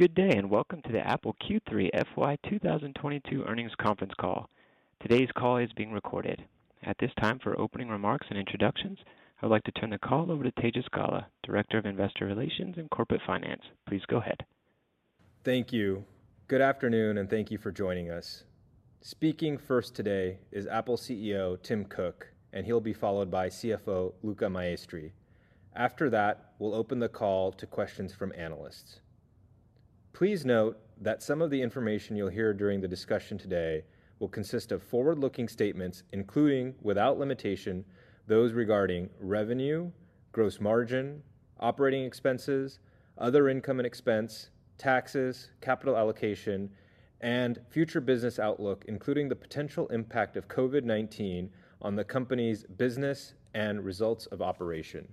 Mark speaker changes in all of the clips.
Speaker 1: Good day, and welcome to the Apple Q3 FY 2022 earnings conference call. Today's call is being recorded. At this time, for opening remarks and introductions, I would like to turn the call over to Tejas Gala, Director of Investor Relations and Corporate Finance. Please go ahead.
Speaker 2: Thank you. Good afternoon, and thank you for joining us. Speaking first today is Apple CEO Tim Cook, and he'll be followed by CFO Luca Maestri. After that, we'll open the call to questions from analysts. Please note that some of the information you'll hear during the discussion today will consist of forward-looking statements, including, without limitation, those regarding revenue, gross margin, operating expenses, other income and expense, taxes, capital allocation, and future business outlook, including the potential impact of COVID-19 on the Company's business and results of operation.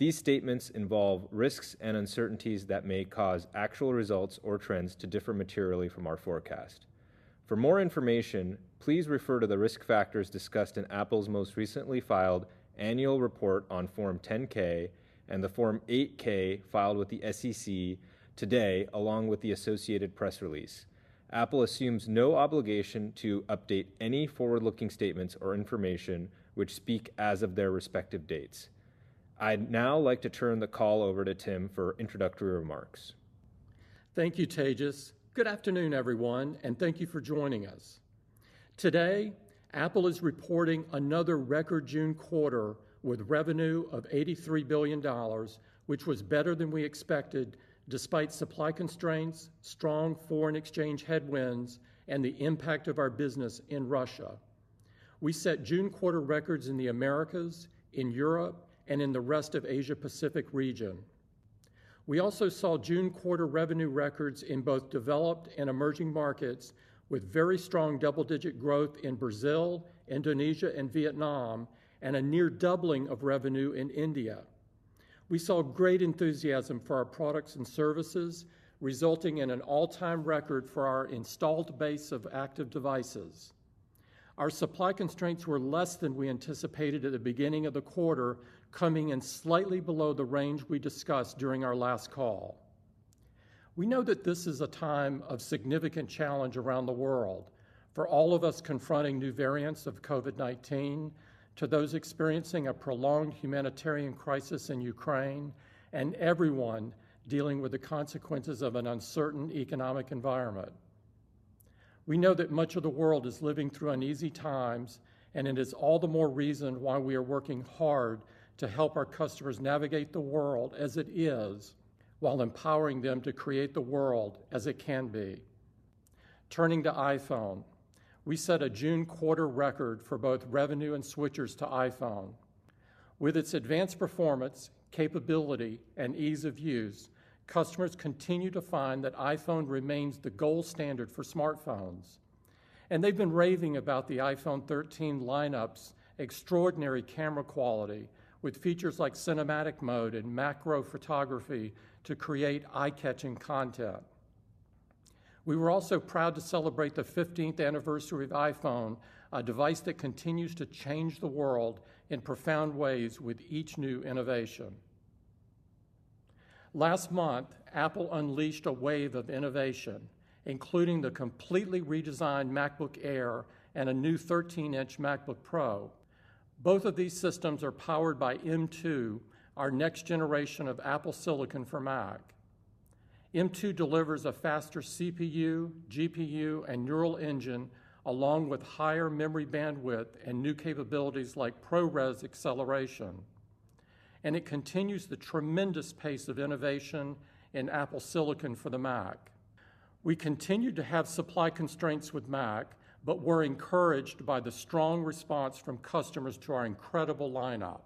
Speaker 2: These statements involve risks and uncertainties that may cause actual results or trends to differ materially from our forecast. For more information, please refer to the risk factors discussed in Apple's most recently filed annual report on Form 10-K and the Form 8-K filed with the SEC today, along with the associated press release. Apple assumes no obligation to update any forward-looking statements or information, which speak as of their respective dates. I'd now like to turn the call over to Tim for introductory remarks.
Speaker 3: Thank you, Tejas. Good afternoon, everyone, and thank you for joining us. Today, Apple is reporting another record June quarter with revenue of $83 billion, which was better than we expected despite supply constraints, strong foreign exchange headwinds, and the impact of our business in Russia. We set June quarter records in the Americas, in Europe, and in the rest of Asia-Pacific region. We also saw June quarter revenue records in both developed and emerging markets, with very strong double-digit growth in Brazil, Indonesia, and Vietnam, and a near doubling of revenue in India. We saw great enthusiasm for our products and services, resulting in an all-time record for our installed base of active devices. Our supply constraints were less than we anticipated at the beginning of the quarter, coming in slightly below the range we discussed during our last call. We know that this is a time of significant challenge around the world for all of us confronting new variants of COVID-19, to those experiencing a prolonged humanitarian crisis in Ukraine, and everyone dealing with the consequences of an uncertain economic environment. We know that much of the world is living through uneasy times, and it is all the more reason why we are working hard to help our customers navigate the world as it is while empowering them to create the world as it can be. Turning to iPhone, we set a June quarter record for both revenue and switchers to iPhone. With its advanced performance, capability, and ease of use, customers continue to find that iPhone remains the gold standard for smartphones. They've been raving about the iPhone 13 lineup's extraordinary camera quality with features like Cinematic mode and macro photography to create eye-catching content. We were also proud to celebrate the fifteenth anniversary of iPhone, a device that continues to change the world in profound ways with each new innovation. Last month, Apple unleashed a wave of innovation, including the completely redesigned MacBook Air and a new 13-inch MacBook Pro. Both of these systems are powered by M2, our next generation of Apple silicon for Mac. M2 delivers a faster CPU, GPU, and Neural Engine, along with higher memory bandwidth and new capabilities like ProRes acceleration. It continues the tremendous pace of innovation in Apple silicon for the Mac. We continued to have supply constraints with Mac, but we're encouraged by the strong response from customers to our incredible lineup.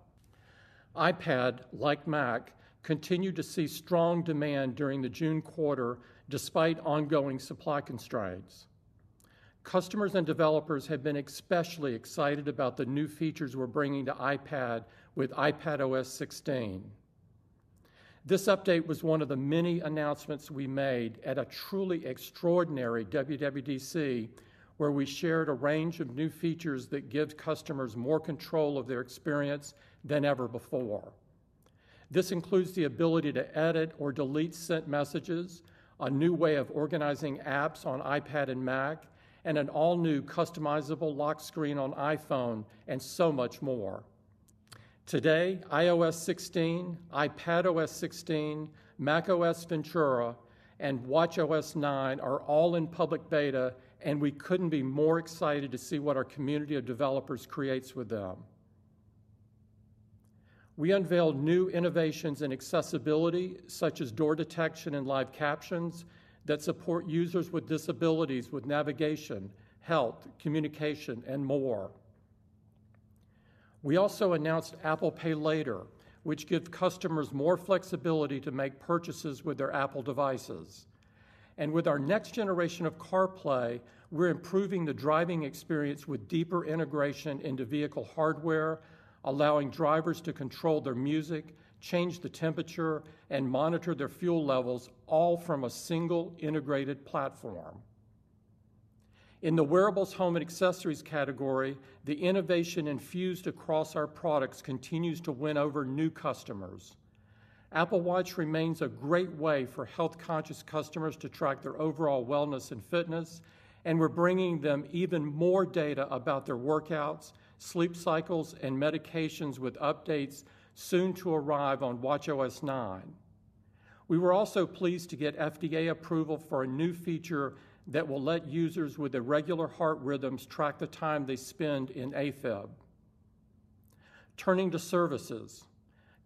Speaker 3: iPad, like Mac, continued to see strong demand during the June quarter despite ongoing supply constraints. Customers and developers have been especially excited about the new features we're bringing to iPad with iPadOS 16. This update was one of the many announcements we made at a truly extraordinary WWDC, where we shared a range of new features that give customers more control of their experience than ever before. This includes the ability to edit or delete sent messages, a new way of organizing apps on iPad and Mac, and an all-new customizable lock screen on iPhone, and so much more. Today, iOS 16, iPadOS 16, macOS Ventura, and watchOS 9 are all in public beta, and we couldn't be more excited to see what our community of developers creates with them. We unveiled new innovations in accessibility, such as door detection and live captions, that support users with disabilities with navigation, health, communication, and more. We also announced Apple Pay Later, which gives customers more flexibility to make purchases with their Apple devices. With our next generation of CarPlay, we're improving the driving experience with deeper integration into vehicle hardware, allowing drivers to control their music, change the temperature, and monitor their fuel levels, all from a single integrated platform. In the Wearables, Home, and Accessories category, the innovation infused across our products continues to win over new customers. Apple Watch remains a great way for health-conscious customers to track their overall wellness and fitness, and we're bringing them even more data about their workouts, sleep cycles, and medications with updates soon to arrive on watchOS 9. We were also pleased to get FDA approval for a new feature that will let users with irregular heart rhythms track the time they spend in AFib. Turning to services.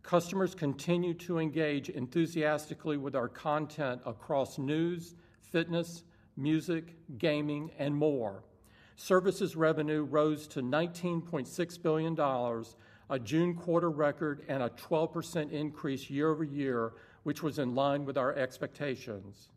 Speaker 3: Customers continue to engage enthusiastically with our content across news, fitness, music, gaming, and more. Services revenue rose to $19.6 billion, a June quarter record and a 12% increase year-over-year, which was in line with our expectations.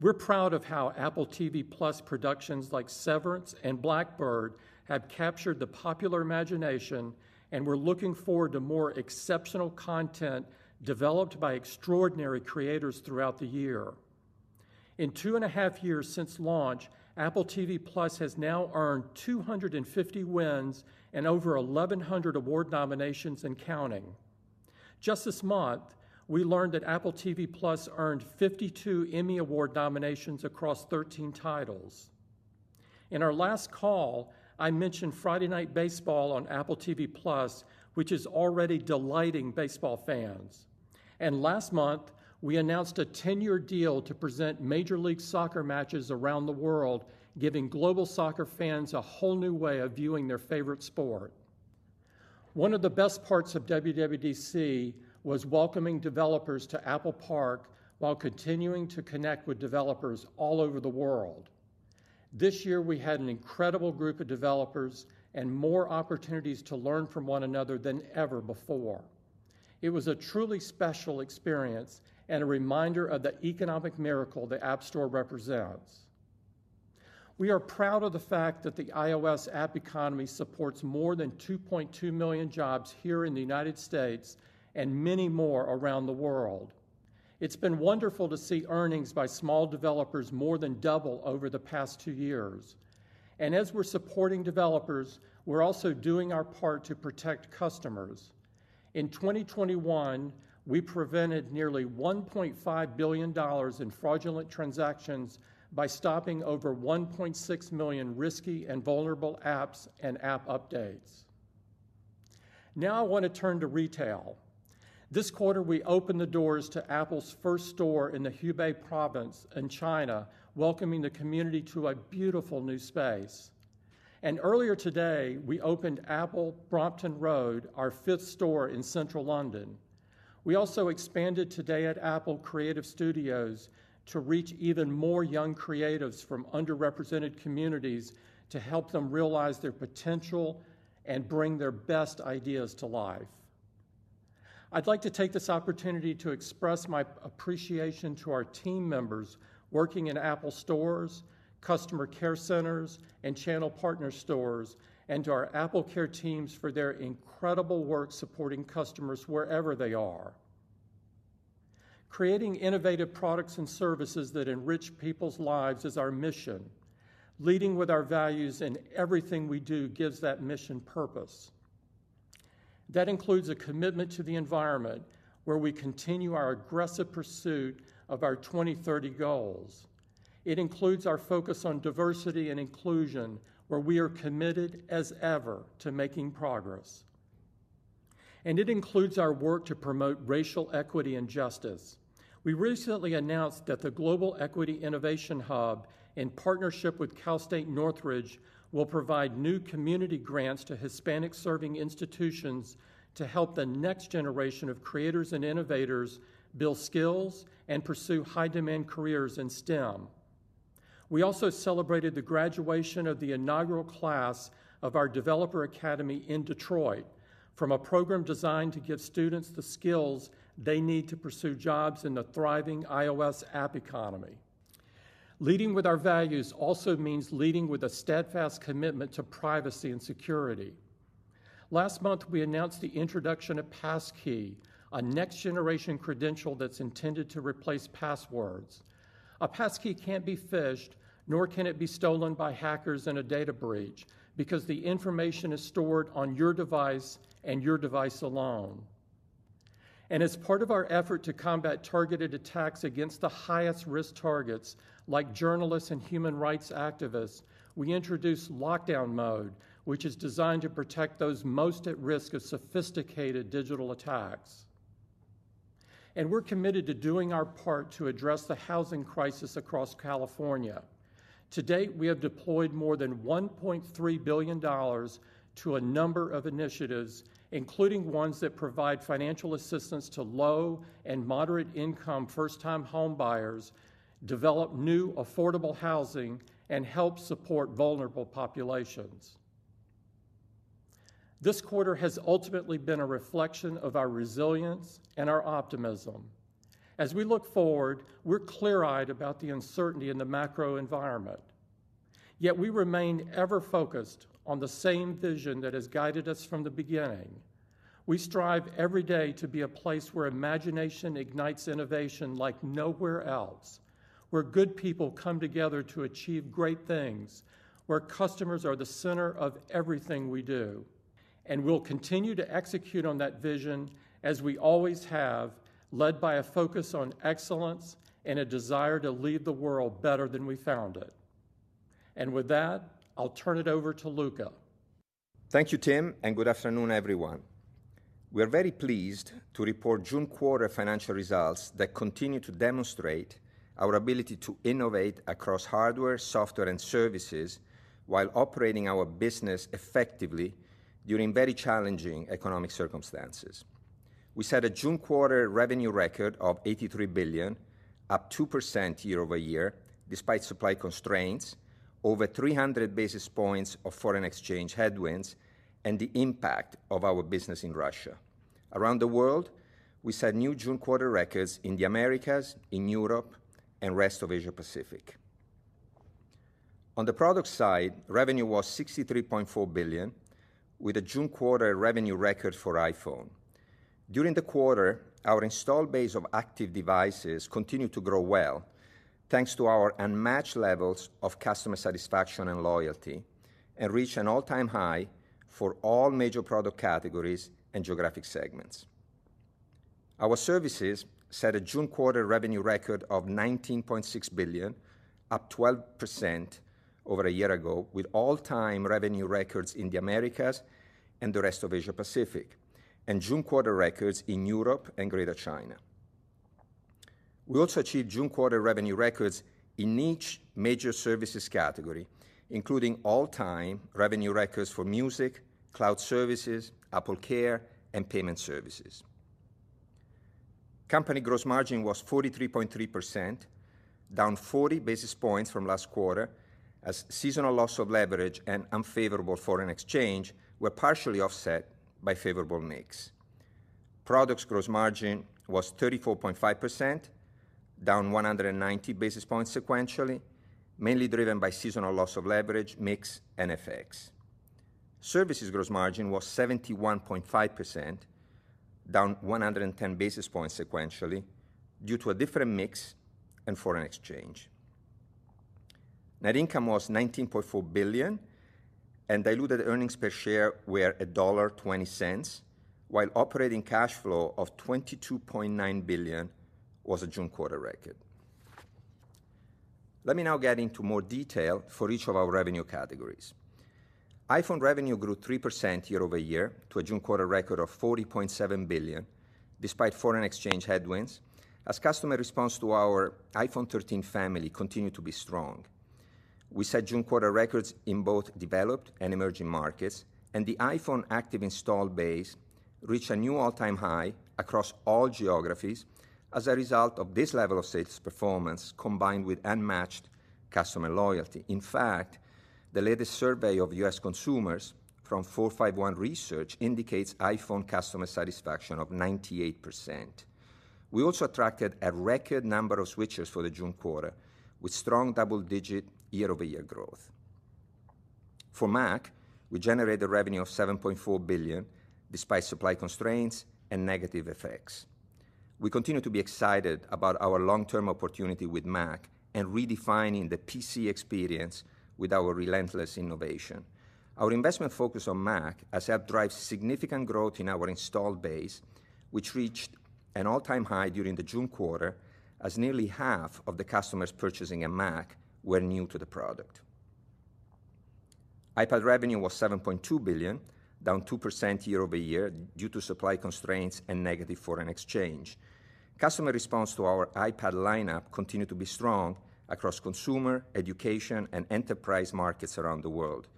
Speaker 3: We're proud of how Apple TV+ productions like Severance and Black Bird have captured the popular imagination, and we're looking forward to more exceptional content developed by extraordinary creators throughout the year. In two and a half years since launch, Apple TV+ has now earned 250 wins and over 1,100 award nominations and counting. Just this month, we learned that Apple TV+ earned 52 Emmy Award nominations across 13 titles. In our last call, I mentioned Friday Night Baseball on Apple TV+, which is already delighting baseball fans. Last month, we announced a 10-year deal to present Major League Soccer matches around the world, giving global soccer fans a whole new way of viewing their favorite sport. One of the best parts of WWDC was welcoming developers to Apple Park while continuing to connect with developers all over the world. This year we had an incredible group of developers and more opportunities to learn from one another than ever before. It was a truly special experience and a reminder of the economic miracle the App Store represents. We are proud of the fact that the iOS app economy supports more than 2.2 million jobs here in the United States and many more around the world. It's been wonderful to see earnings by small developers more than double over the past two years. As we're supporting developers, we're also doing our part to protect customers. In 2021, we prevented nearly $1.5 billion in fraudulent transactions by stopping over 1.6 million risky and vulnerable apps and app updates. Now I want to turn to retail. This quarter, we opened the doors to Apple's first store in the Hubei province in China, welcoming the community to a beautiful new space. Earlier today, we opened Apple Brompton Road, our fifth store in central London. We also expanded Today at Apple Creative Studios to reach even more young creatives from underrepresented communities to help them realize their potential and bring their best ideas to life. I'd like to take this opportunity to express my appreciation to our team members working in Apple stores, customer care centers, and channel partner stores, and to our AppleCare teams for their incredible work supporting customers wherever they are. Creating innovative products and services that enrich people's lives is our mission. Leading with our values in everything we do gives that mission purpose. That includes a commitment to the environment where we continue our aggressive pursuit of our 2030 goals. It includes our focus on diversity and inclusion, where we are committed as ever to making progress. It includes our work to promote racial equity and justice. We recently announced that the Global Equity Innovation Hub, in partnership with Cal State Northridge, will provide new community grants to Hispanic-serving institutions to help the next generation of creators and innovators build skills and pursue high-demand careers in STEM. We also celebrated the graduation of the inaugural class of our Developer Academy in Detroit from a program designed to give students the skills they need to pursue jobs in the thriving iOS app economy. Leading with our values also means leading with a steadfast commitment to privacy and security. Last month, we announced the introduction of Passkey, a next-generation credential that's intended to replace passwords. A Passkey can't be phished, nor can it be stolen by hackers in a data breach because the information is stored on your device and your device alone. As part of our effort to combat targeted attacks against the highest-risk targets like journalists and human rights activists, we introduced Lockdown Mode, which is designed to protect those most at risk of sophisticated digital attacks. We're committed to doing our part to address the housing crisis across California. To date, we have deployed more than $1.3 billion to a number of initiatives, including ones that provide financial assistance to low and moderate-income first-time homebuyers, develop new affordable housing, and help support vulnerable populations. This quarter has ultimately been a reflection of our resilience and our optimism. As we look forward, we're clear-eyed about the uncertainty in the macro environment, yet we remain ever focused on the same vision that has guided us from the beginning. We strive every day to be a place where imagination ignites innovation like nowhere else, where good people come together to achieve great things, where customers are the center of everything we do. We'll continue to execute on that vision as we always have, led by a focus on excellence and a desire to leave the world better than we found it. With that, I'll turn it over to Luca.
Speaker 4: Thank you, Tim, and good afternoon, everyone. We are very pleased to report June quarter financial results that continue to demonstrate our ability to innovate across hardware, software, and services while operating our business effectively during very challenging economic circumstances. We set a June quarter revenue record of $83 billion, up 2% year-over-year, despite supply constraints, over 300 basis points of foreign exchange headwinds, and the impact of our business in Russia. Around the world, we set new June quarter records in the Americas, in Europe, and rest of Asia-Pacific. On the product side, revenue was $63.4 billion, with a June quarter revenue record for iPhone. During the quarter, our installed base of active devices continued to grow well, thanks to our unmatched levels of customer satisfaction and loyalty, and reached an all-time high for all major product categories and geographic segments. Our services set a June quarter revenue record of $19.6 billion, up 12% over a year ago, with all-time revenue records in the Americas and the rest of Asia-Pacific, and June quarter records in Europe and Greater China. We also achieved June quarter revenue records in each major services category, including all-time revenue records for music, cloud services, AppleCare, and payment services. Company gross margin was 43.3%, down 40 basis points from last quarter, as seasonal loss of leverage and unfavorable foreign exchange were partially offset by favorable mix. Products gross margin was 34.5%, down 190 basis points sequentially, mainly driven by seasonal loss of leverage, mix, and FX. Services gross margin was 71.5%, down 110 basis points sequentially due to a different mix and foreign exchange. Net income was $19.4 billion, and diluted earnings per share were $1.20, while operating cash flow of $22.9 billion was a June quarter record. Let me now get into more detail for each of our revenue categories. iPhone revenue grew 3% year-over-year to a June quarter record of $40.7 billion, despite foreign exchange headwinds, as customer response to our iPhone 13 family continued to be strong. We set June quarter records in both developed and emerging markets, and the iPhone active install base reached a new all-time high across all geographies as a result of this level of sales performance combined with unmatched customer loyalty. In fact, the latest survey of U.S. consumers from 451 Research indicates iPhone customer satisfaction of 98%. We also attracted a record number of switchers for the June quarter with strong double-digit year-over-year growth. For Mac, we generated revenue of $7.4 billion despite supply constraints and negative effects. We continue to be excited about our long-term opportunity with Mac and redefining the PC experience with our relentless innovation. Our investment focus on Mac has helped drive significant growth in our installed base, which reached an all-time high during the June quarter as nearly half of the customers purchasing a Mac were new to the product. iPad revenue was $7.2 billion, down 2% year-over-year due to supply constraints and negative foreign exchange. Customer response to our iPad lineup continued to be strong across consumer, education, and enterprise markets around the world.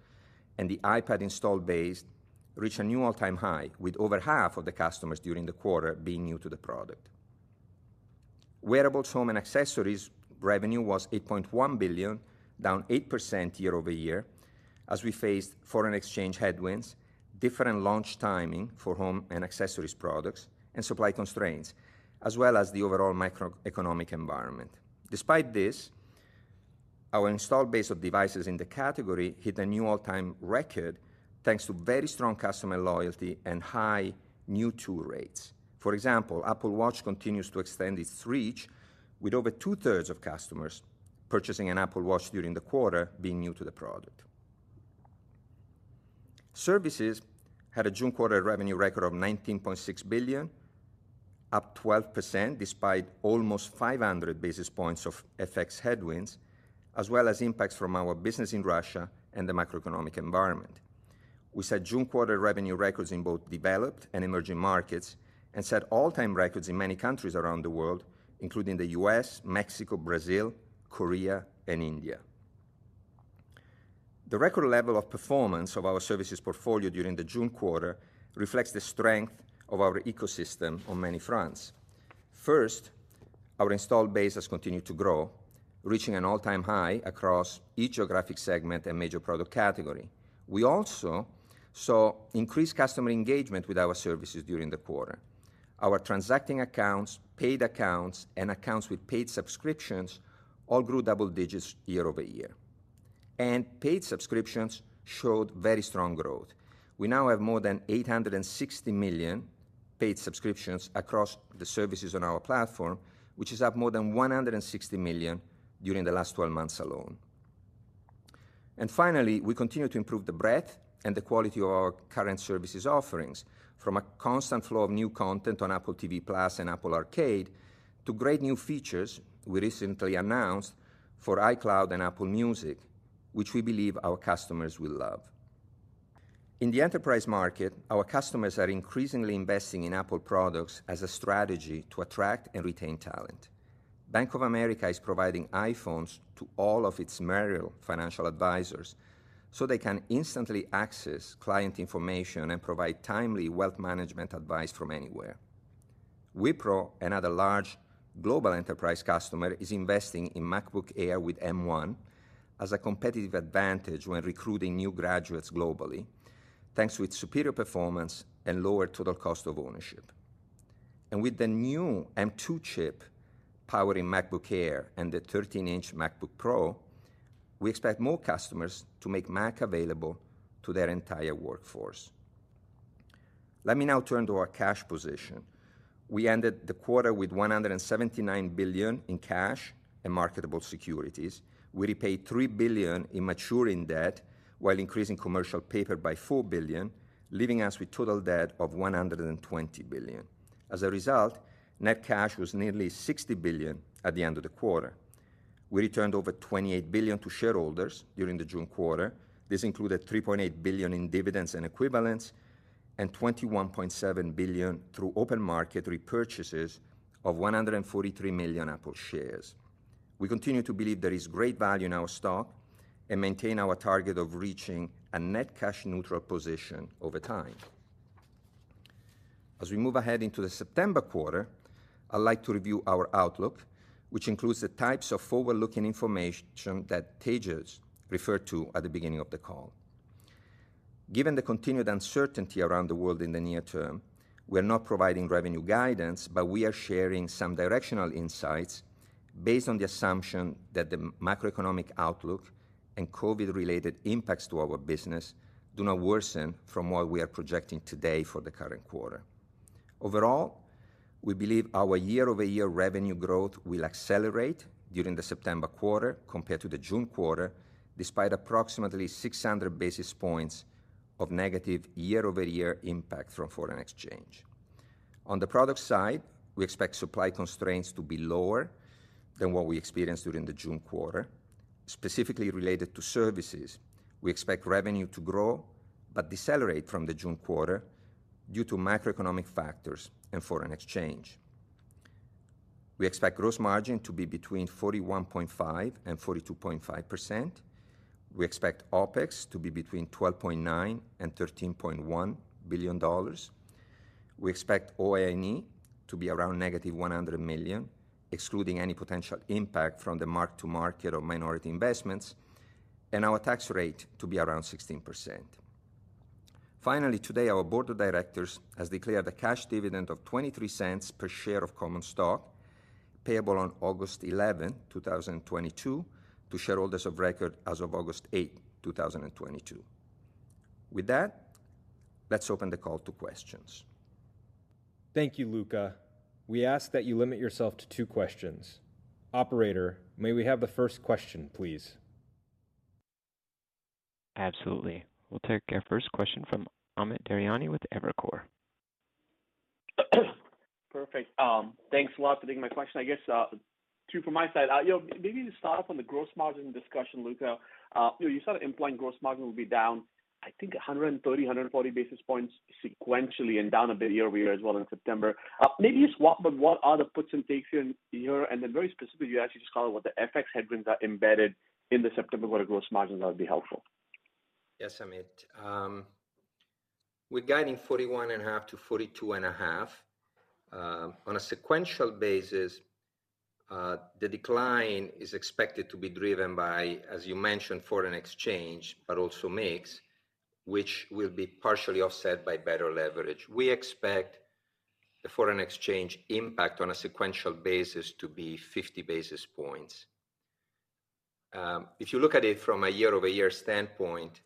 Speaker 4: The iPad installed base reached a new all-time high, with over half of the customers during the quarter being new to the product. Wearables, Home, and Accessories revenue was $8.1 billion, down 8% year-over-year as we faced foreign exchange headwinds, different launch timing for Home and Accessories products, and supply constraints, as well as the overall macroeconomic environment. Despite this, our installed base of devices in the category hit a new all-time record thanks to very strong customer loyalty and high new-to rates. For example, Apple Watch continues to extend its reach with over two-thirds of customers purchasing an Apple Watch during the quarter being new to the product. Services had a June quarter revenue record of $19.6 billion, up 12% despite almost 500 basis points of FX headwinds, as well as impacts from our business in Russia and the macroeconomic environment. We set June quarter revenue records in both developed and emerging markets and set all-time records in many countries around the world, including the U.S., Mexico, Brazil, Korea, and India. The record level of performance of our services portfolio during the June quarter reflects the strength of our ecosystem on many fronts. First, our installed base has continued to grow, reaching an all-time high across each geographic segment and major product category. We also saw increased customer engagement with our services during the quarter. Our transacting accounts, paid accounts, and accounts with paid subscriptions all grew double digits year-over-year. Paid subscriptions showed very strong growth. We now have more than 860 million paid subscriptions across the services on our platform, which is up more than 160 million during the last 12 months alone. Finally, we continue to improve the breadth and the quality of our current services offerings from a constant flow of new content on Apple TV+ and Apple Arcade to great new features we recently announced for iCloud and Apple Music, which we believe our customers will love. In the enterprise market, our customers are increasingly investing in Apple products as a strategy to attract and retain talent. Bank of America is providing iPhones to all of its Merrill financial advisors so they can instantly access client information and provide timely wealth management advice from anywhere. Wipro, another large global enterprise customer, is investing in MacBook Air with M1 as a competitive advantage when recruiting new graduates globally, thanks to its superior performance and lower total cost of ownership. With the new M2 chip powering MacBook Air and the 13-inch MacBook Pro, we expect more customers to make Mac available to their entire workforce. Let me now turn to our cash position. We ended the quarter with $179 billion in cash and marketable securities. We repaid $3 billion in maturing debt while increasing commercial paper by $4 billion, leaving us with total debt of $120 billion. As a result, net cash was nearly $60 billion at the end of the quarter. We returned over $28 billion to shareholders during the June quarter. This included $3.8 billion in dividends and equivalents and $21.7 billion through open market repurchases of 143 million Apple shares. We continue to believe there is great value in our stock and maintain our target of reaching a net cash neutral position over time. As we move ahead into the September quarter, I'd like to review our outlook, which includes the types of forward-looking information that Tejas referred to at the beginning of the call. Given the continued uncertainty around the world in the near term, we're not providing revenue guidance, but we are sharing some directional insights based on the assumption that the macroeconomic outlook and COVID-related impacts to our business do not worsen from what we are projecting today for the current quarter. Overall, we believe our year-over-year revenue growth will accelerate during the September quarter compared to the June quarter, despite approximately 600 basis points of negative year-over-year impact from foreign exchange. On the product side, we expect supply constraints to be lower than what we experienced during the June quarter, specifically related to services. We expect revenue to grow but decelerate from the June quarter due to macroeconomic factors and foreign exchange. We expect gross margin to be between 41.5% and 42.5%. We expect OpEx to be between $12.9 billion and $13.1 billion. We expect O&E to be around -$100 million, excluding any potential impact from the mark-to-market or minority investments, and our tax rate to be around 16%. Finally, today, our board of directors has declared a cash dividend of $0.23 per share of common stock payable on August 11, 2022 to shareholders of record as of August 8, 2022. With that, let's open the call to questions.
Speaker 2: Thank you, Luca. We ask that you limit yourself to two questions. Operator, may we have the first question, please?
Speaker 1: Absolutely. We'll take our first question from Amit Daryanani with Evercore.
Speaker 5: Perfect. Thanks a lot for taking my question. I guess, two from my side. So, maybe just start off on the gross margin discussion, Luca. You said, implying gross margin will be down, I think 130-140 basis points sequentially and down a bit year-over-year as well in September. What are the puts and takes here in a year? Very specifically, you actually just call out what the FX headwinds are embedded in the September quarter gross margins, that would be helpful.
Speaker 4: Yes, Amit. We're guiding 41.5%-42.5%. On a sequential basis, the decline is expected to be driven by, as you mentioned, foreign exchange, but also mix, which will be partially offset by better leverage. We expect the foreign exchange impact on a sequential basis to be 50 basis points. If you look at it from a year-over-year standpoint,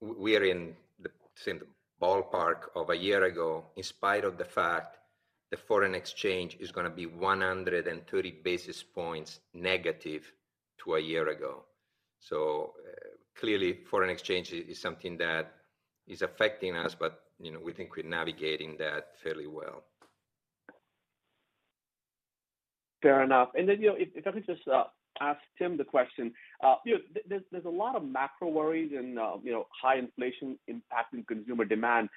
Speaker 4: we are in the same ballpark of a year ago, in spite of the fact the foreign exchange is gonna be 130 basis points negative to a year ago. Clearly, foreign exchange is something that is affecting us, but we think we're navigating that fairly well.
Speaker 5: Fair enough. If I could just ask Tim the question. You know, there's a lot of macro worries and high inflation impacting consumer demand.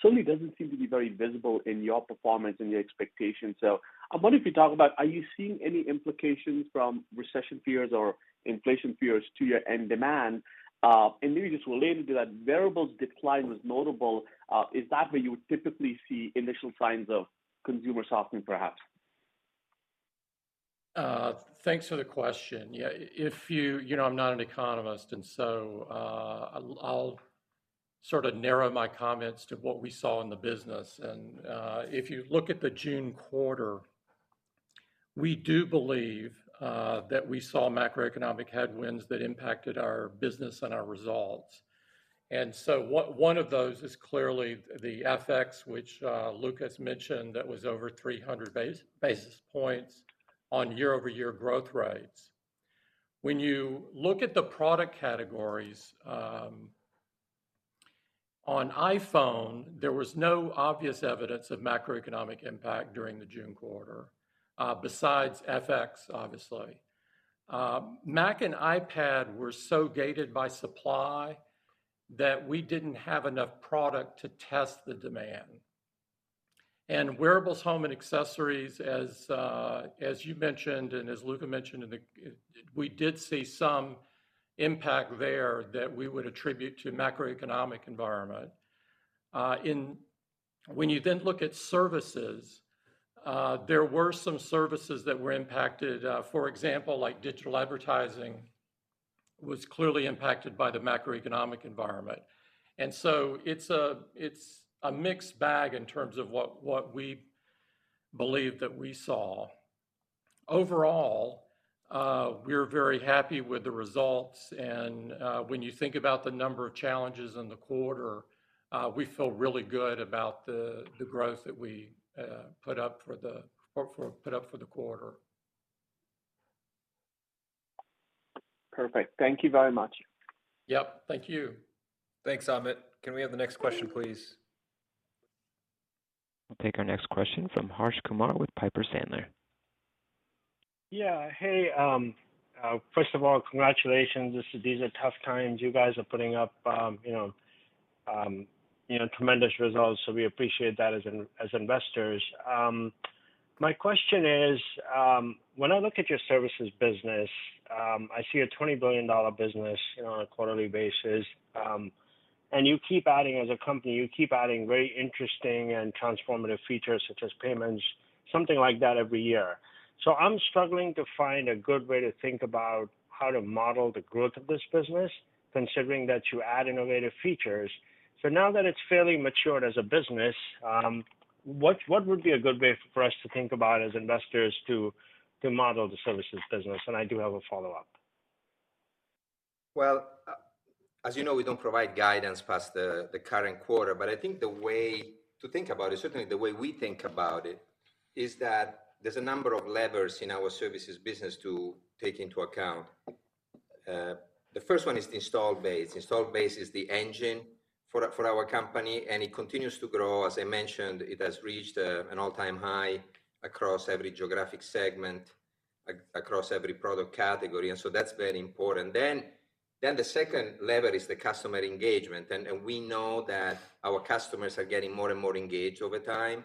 Speaker 5: Certainly doesn't seem to be very visible in your performance and your expectations. I wonder if you talk about, are you seeing any implications from recession fears or inflation fears to your end demand? Maybe just related to that, Wearables decline was notable. Is that where you would typically see initial signs of consumer softening, perhaps?
Speaker 3: Thanks for the question. Yeah, I'm not an economist, and so, I'll sort of narrow my comments to what we saw in the business. If you look at the June quarter, we do believe that we saw macroeconomic headwinds that impacted our business and our results. One of those is clearly the FX, which Luca mentioned, that was over 300 basis points on year-over-year growth rates. When you look at the product categories, on iPhone, there was no obvious evidence of macroeconomic impact during the June quarter, besides FX, obviously. Mac and iPad were so gated by supply that we didn't have enough product to test the demand. Wearables, Home, and Accessories, as you mentioned and as Luca mentioned in the. We did see some impact there that we would attribute to macroeconomic environment. When you then look at services, there were some services that were impacted. For example, like digital advertising was clearly impacted by the macroeconomic environment. It's a mixed bag in terms of what we believe that we saw. Overall, we're very happy with the results and, when you think about the number of challenges in the quarter, we feel really good about the growth that we put up for the quarter.
Speaker 5: Perfect. Thank you very much.
Speaker 2: Yep. Thank you. Thanks, Amit. Can we have the next question, please?
Speaker 1: We'll take our next question from Harsh Kumar with Piper Sandler.
Speaker 6: Yeah. Hey, first of all, congratulations. These are tough times. You guys are putting up tremendous results, so we appreciate that as investors. My question is, when I look at your services business, I see a $20 billion business on a quarterly basis, and you keep adding, as a company, you keep adding very interesting and transformative features, such as payments, something like that every year. I'm struggling to find a good way to think about how to model the growth of this business, considering that you add innovative features. Now that it's fairly matured as a business, what would be a good way for us to think about as investors to model the services business? I do have a follow-up.
Speaker 4: Well, as you know, we don't provide guidance past the current quarter, but I think the way to think about it, certainly the way we think about it is that there's a number of levers in our services business to take into account. The first one is the installed base. Installed base is the engine for our company, and it continues to grow. As I mentioned, it has reached an all-time high across every geographic segment, across every product category, and so that's very important. The second lever is the customer engagement. We know that our customers are getting more and more engaged over time,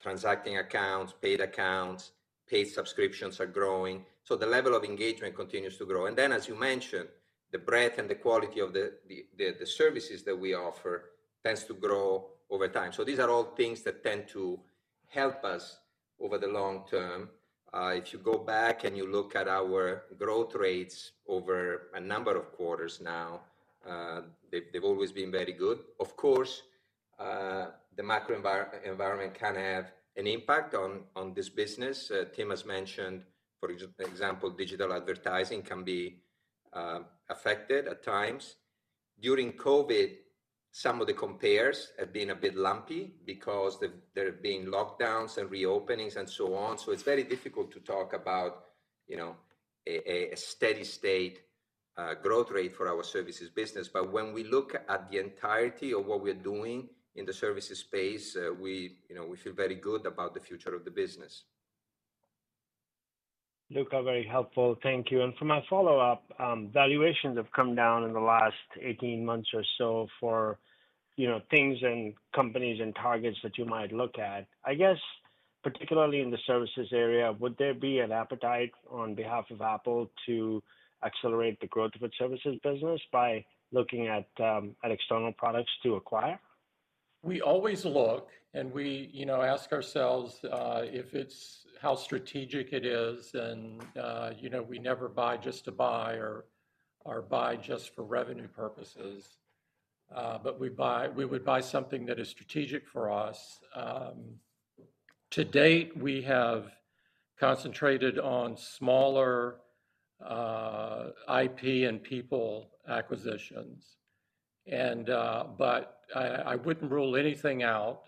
Speaker 4: transacting accounts, paid accounts, paid subscriptions are growing. The level of engagement continues to grow. As you mentioned, the breadth and the quality of the services that we offer tends to grow over time. These are all things that tend to help us over the long term. If you go back and you look at our growth rates over a number of quarters now, they've always been very good. Of course, the macro environment can have an impact on this business. Tim has mentioned, for example, digital advertising can be affected at times. During COVID, some of the compares have been a bit lumpy because there have been lockdowns and reopenings and so on. It's very difficult to talk about a steady state growth rate for our services business. When we look at the entirety of what we're doing in the services space, we feel very good about the future of the business.
Speaker 6: Luca, very helpful. Thank you. For my follow-up, valuations have come down in the last 18 months or so for things, and companies and targets that you might look at. I guess, particularly in the services area, would there be an appetite on behalf of Apple to accelerate the growth of its services business by looking at external products to acquire?
Speaker 3: We always look, and we ask ourselves if it's how strategic it is, and we never buy just to buy or buy just for revenue purposes. We would buy something that is strategic for us. To date, we have concentrated on smaller, IP and people acquisitions. I wouldn't rule anything out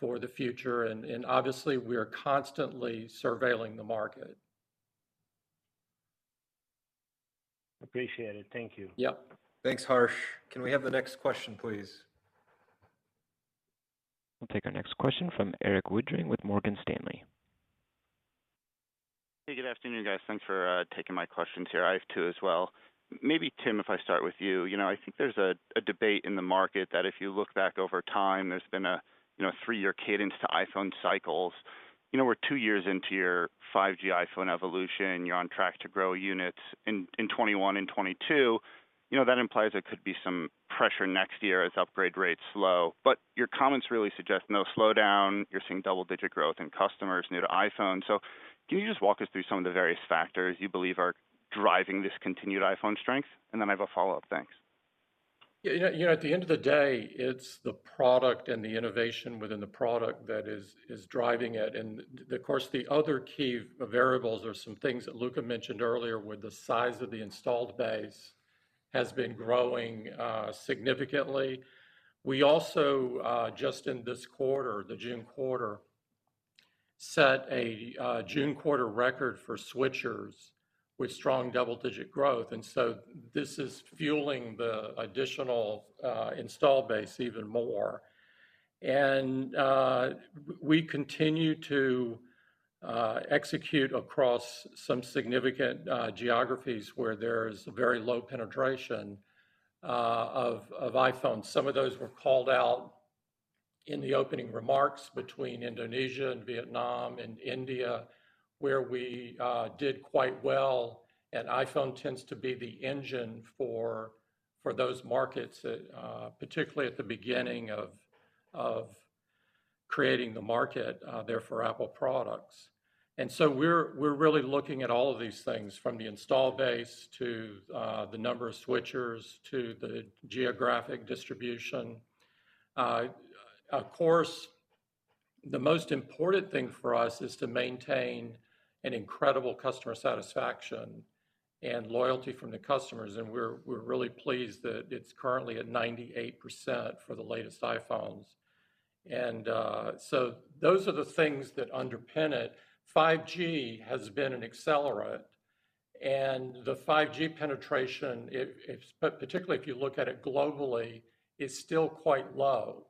Speaker 3: for the future. Obviously, we are constantly surveilling the market.
Speaker 6: Appreciate it. Thank you.
Speaker 3: Yep.
Speaker 2: Thanks, Harsh. Can we have the next question, please?
Speaker 1: We'll take our next question from Erik Woodring with Morgan Stanley.
Speaker 7: Hey, good afternoon, guys. Thanks for taking my questions here. I have two as well. Maybe Tim, if I start with you. I think there's a debate in the market that if you look back over time, there's been a three-year cadence to iPhone cycles. We're two years into your 5G iPhone evolution. You're on track to grow units in 2021 and 2022. That implies there could be some pressure next year as upgrade rates slow. Your comments really suggest no slowdown. You're seeing double-digit growth in customers new to iPhone. Can you just walk us through some of the various factors you believe are driving this continued iPhone strength? Then I have a follow-up. Thanks.
Speaker 3: Yeah, at the end of the day, it's the product and the innovation within the product that is driving it. Of course, the other key variables are some things that Luca mentioned earlier, where the size of the installed base has been growing significantly. We also just in this quarter, the June quarter, set a June quarter record for switchers with strong double-digit growth. This is fueling the additional install base even more. We continue to execute across some significant geographies where there is a very low penetration of iPhone. Some of those were called out in the opening remarks between Indonesia and Vietnam and India, where we did quite well. iPhone tends to be the engine for those markets, particularly at the beginning of creating the market there for Apple products. We're really looking at all of these things from the install base to the number of switchers to the geographic distribution. Of course, the most important thing for us is to maintain an incredible customer satisfaction and loyalty from the customers, and we're really pleased that it's currently at 98% for the latest iPhones. Those are the things that underpin it. 5G has been an accelerant, and the 5G penetration, particularly if you look at it globally, is still quite low.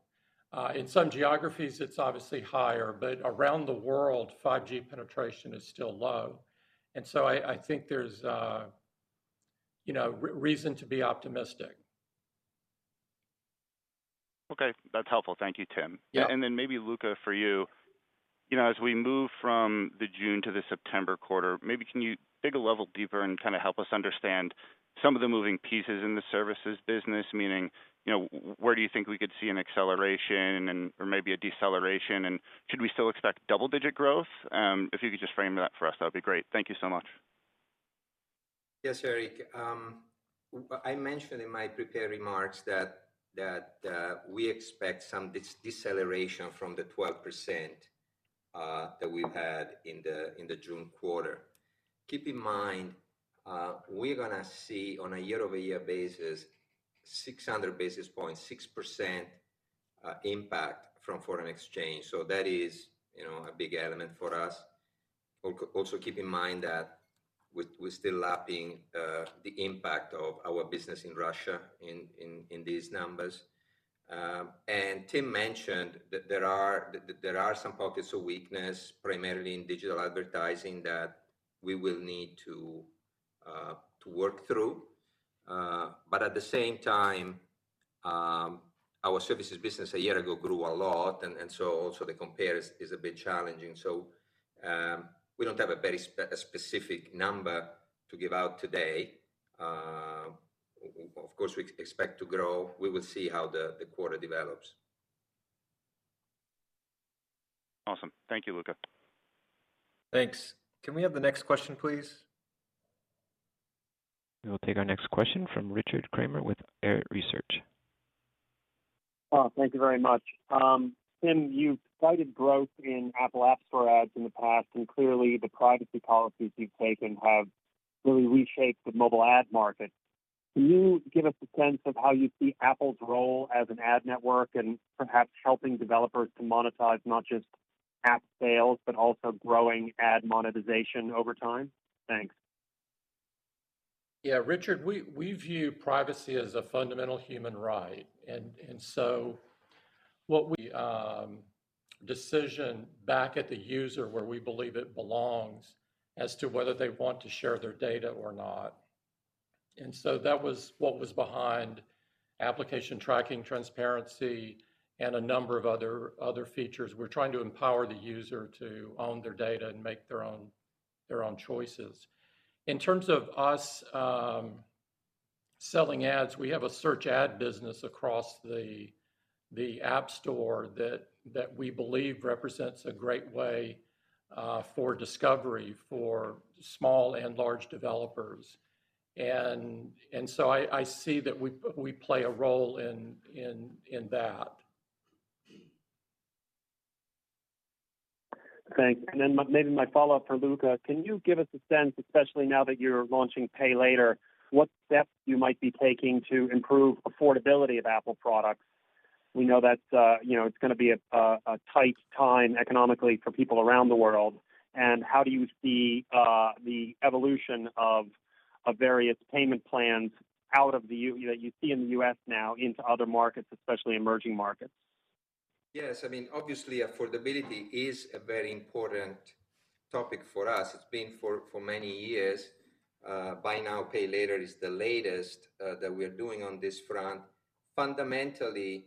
Speaker 3: In some geographies, it's obviously higher, but around the world, 5G penetration is still low. I think there's reason to be optimistic.
Speaker 7: Okay. That's helpful. Thank you, Tim.
Speaker 3: Yeah.
Speaker 7: Maybe Luca for you, as we move from the June to the September quarter, maybe can you dig a level deeper and kind of help us understand some of the moving pieces in the services business? Meaning, where do you think we could see an acceleration and/or maybe a deceleration, and should we still expect double-digit growth? If you could just frame that for us, that'd be great. Thank you so much.
Speaker 4: Yes, Erik. I mentioned in my prepared remarks that we expect some deceleration from the 12% that we've had in the June quarter. Keep in mind, we're gonna see on a year-over-year basis, 600 basis points, 6% impact from foreign exchange. So that is a big element for us. Also, keep in mind that we're still lapping the impact of our business in Russia in these numbers. Tim mentioned that there are some pockets of weakness, primarily in digital advertising, that we will need to work through. But at the same time, our services business a year ago grew a lot, and so also the compare is a bit challenging. We don't have a very specific number to give out today. Of course, we expect to grow. We will see how the quarter develops.
Speaker 7: Awesome. Thank you, Luca.
Speaker 2: Thanks. Can we have the next question, please?
Speaker 1: We'll take our next question from Richard Kramer with Arete Research.
Speaker 8: Oh, thank you very much. Tim, you've cited growth in Apple App Store ads in the past, and clearly, the privacy policies you've taken have really reshaped the mobile ad market. Can you give us a sense of how you see Apple's role as an ad network and perhaps helping developers to monetize not just app sales but also growing ad monetization over time? Thanks.
Speaker 3: Yeah. Richard, we view privacy as a fundamental human right. We put the decision back at the user where we believe it belongs, as to whether they want to share their data or not. That was what was behind App Tracking Transparency and a number of other features. We're trying to empower the user to own their data and make their own choices. In terms of us selling ads, we have a search ad business across the App Store that we believe represents a great way for discovery for small and large developers. I see that we play a role in that.
Speaker 8: Thanks. Then maybe my follow-up for Luca, can you give us a sense, especially now that you're launching Apple Pay Later, what steps you might be taking to improve affordability of Apple products? We know that, it's gonna be a tight time economically for people around the world. How do you see the evolution of various payment plans out of the U.S. that you see in the U.S. now into other markets, especially emerging markets?
Speaker 4: Yes. I mean, obviously affordability is a very important topic for us. It's been for many years. Buy Now, Pay Later is the latest that we are doing on this front. Fundamentally,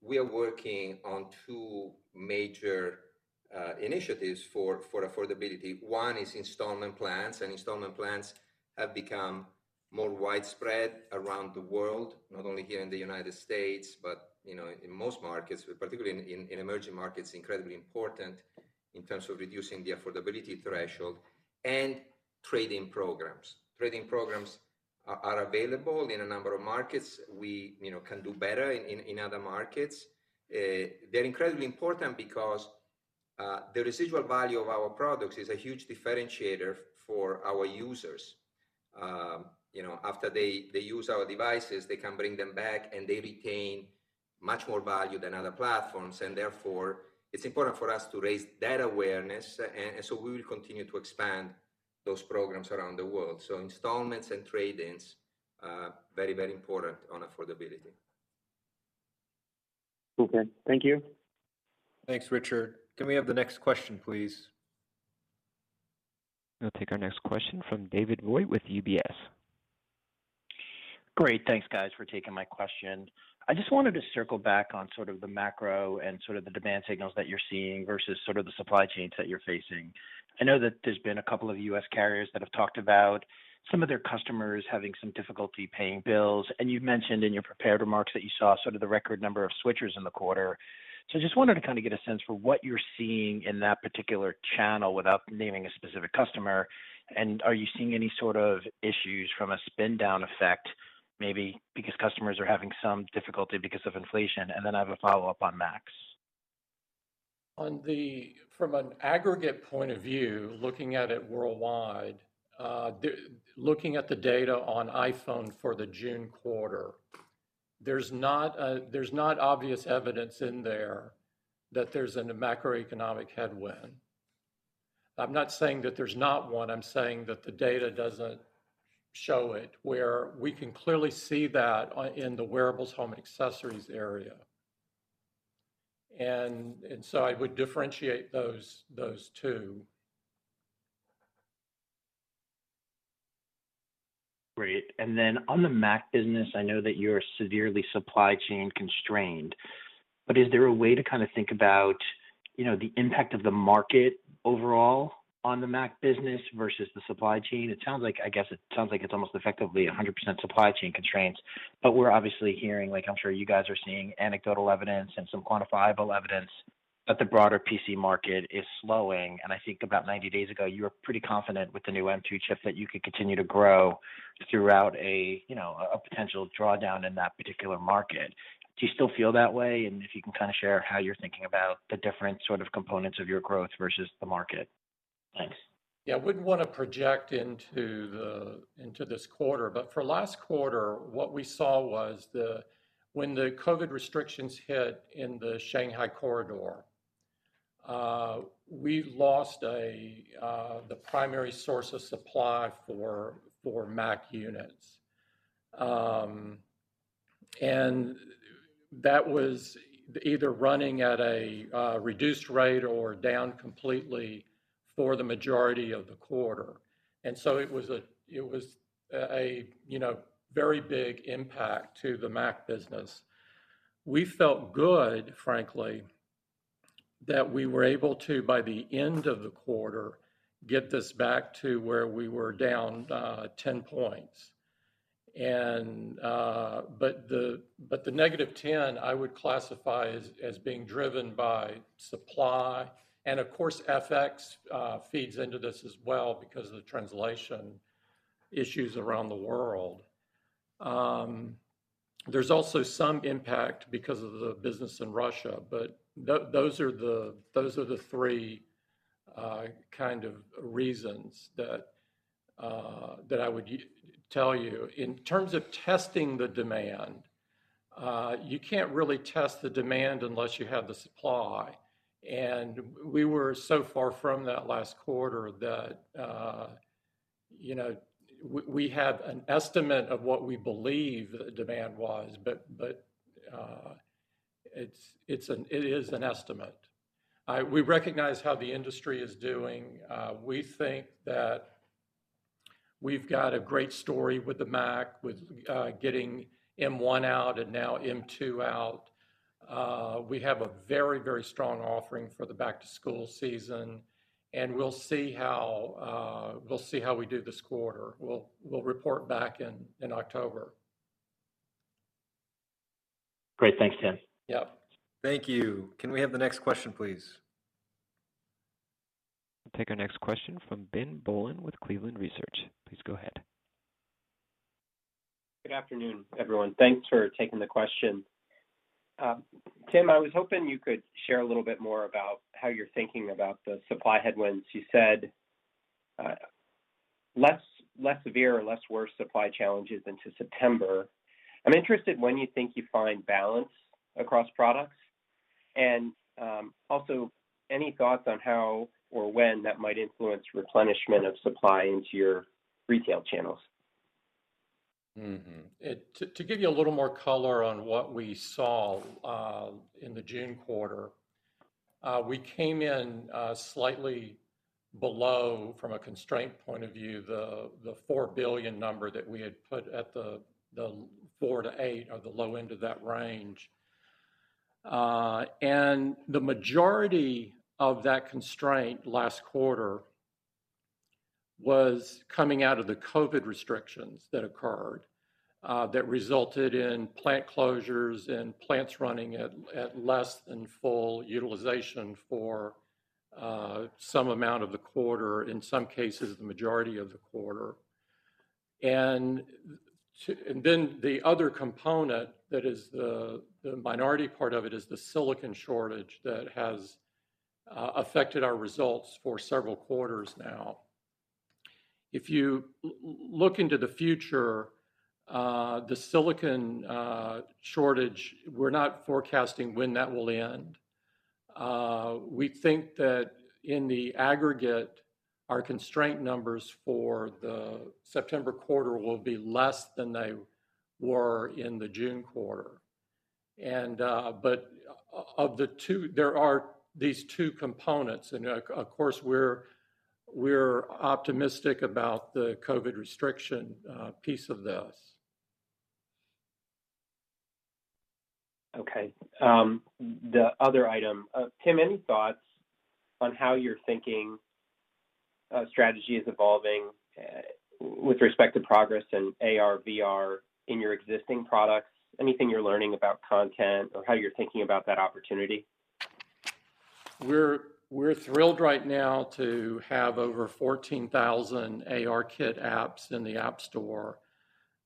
Speaker 4: we are working on two major initiatives for affordability. One is installment plans, and installment plans have become more widespread around the world, not only here in the United States, but in most markets, particularly in emerging markets, incredibly important in terms of reducing the affordability threshold. Trading programs are available in a number of markets. We can do better in other markets. They're incredibly important because the residual value of our products is a huge differentiator for our users. After they use our devices, they can bring them back, and they retain much more value than other platforms, and therefore, it's important for us to raise that awareness. We will continue to expand those programs around the world. Installments and trade-ins are very important on affordability.
Speaker 8: Okay. Thank you.
Speaker 2: Thanks, Richard. Can we have the next question, please?
Speaker 1: We'll take our next question from David with UBS.
Speaker 9: Great. Thanks, guys, for taking my question. I just wanted to circle back on sort of the macro and sort of the demand signals that you're seeing versus sort of the supply chains that you're facing. I know that there's been a couple of U.S. carriers that have talked about some of their customers having some difficulty paying bills, and you've mentioned in your prepared remarks that you saw sort of the record number of switchers in the quarter. Just wanted to kind of get a sense for what you're seeing in that particular channel, without naming a specific customer. Are you seeing any sort of issues from a spend-down effect, maybe because customers are having some difficulty because of inflation? Then I have a follow-up on Mac.
Speaker 3: From an aggregate point of view, looking at it worldwide, looking at the data on iPhone for the June quarter, there's not obvious evidence in there that there's a macroeconomic headwind. I'm not saying that there's not one, I'm saying that the data doesn't show it, where we can clearly see that in the Wearables, Home, Accessories area. So I would differentiate those two.
Speaker 9: Great. Then, on the Mac business, I know that you're severely supply chain constrained, but is there a way to kind of think about the impact of the market overall on the Mac business versus the supply chain? It sounds like, I guess it sounds like it's almost effectively 100% supply chain constraints, but we're obviously hearing, like I'm sure you guys are seeing, anecdotal evidence and some quantifiable evidence that the broader PC market is slowing. I think about 90 days ago, you were pretty confident with the new M2 chip that you could continue to grow throughout a potential drawdown in that particular market. Do you still feel that way? If you can kind of share how you're thinking about the different components of your growth versus the market. Thanks.
Speaker 3: Yeah. I wouldn't want to project into this quarter, but for last quarter, what we saw was when the COVID restrictions hit in the Shanghai corridor, we lost the primary source of supply for Mac units. That was either running at a reduced rate or down completely for the majority of the quarter. It was a very big impact to the Mac business. We felt good, frankly, that we were able to, by the end of the quarter, get this back to where we were down 10 points. The -10 I would classify as being driven by supply and of course, FX feeds into this as well because of the translation issues around the world. There's also some impact because of the business in Russia, but those are the three reasons that I would tell you. In terms of testing the demand, you can't really test the demand unless you have the supply. We were so far from that last quarter that we have an estimate of what we believe demand was, but it is an estimate. We recognize how the industry is doing. We think that we've got a great story with the Mac, with getting M1 out and now M2 out. We have a very strong offering for the back-to-school season, and we'll see how we do this quarter. We'll report back in October.
Speaker 9: Great. Thanks, Tim.
Speaker 3: Yep.
Speaker 2: Thank you. Can we have the next question, please?
Speaker 1: Take our next question from Ben Bollin with Cleveland Research. Please go ahead.
Speaker 10: Good afternoon, everyone. Thanks for taking the question. Tim, I was hoping you could share a little bit more about how you're thinking about the supply headwinds. You said, less severe or less worse supply challenges into September. I'm interested when you think you find balance across products. Also any thoughts on how or when that might influence replenishment of supply into your retail channels?
Speaker 3: To give you a little more color on what we saw in the June quarter, we came in slightly below, from a constraint point of view, the $4 billion number that we had put at the $4 billion-$8 billion or the low end of that range. The majority of that constraint last quarter was coming out of the COVID restrictions that occurred. That resulted in plant closures and plants running at less than full utilization for some amount of the quarter, in some cases, the majority of the quarter. Then the other component that is the minority part of it is the silicon shortage that has affected our results for several quarters now. If you look into the future, the silicon shortage, we're not forecasting when that will end. We think that in the aggregate, our constraint numbers for the September quarter will be less than they were in the June quarter. Of the two, there are these two components, and of course, we're optimistic about the COVID restriction piece of this.
Speaker 10: Okay. Tim, any thoughts on how you're thinking, strategy is evolving, with respect to progress in AR/VR in your existing products? Anything you're learning about content or how you're thinking about that opportunity?
Speaker 3: We're thrilled right now to have over 14,000 ARKit apps in the App Store,